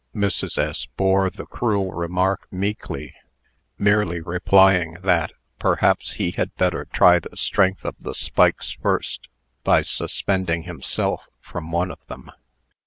Mrs. S. bore the cruel remark meekly, merely replying that perhaps he had better try the strength of the spikes first, by suspending himself from one of them.